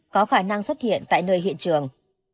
có khả năng xuất hiện tại nơi hiện trường